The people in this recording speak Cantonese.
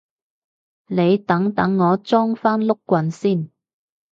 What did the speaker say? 你等等我裝返碌棍先